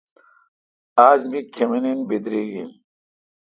اج می کھمینین بدریگ این